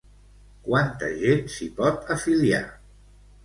Quanta gent s'hi pot afiliar?